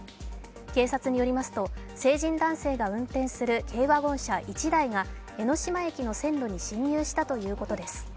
警察によりますと、成人男性が運転する軽ワゴン車１台が江ノ島駅の線路に進入したということです。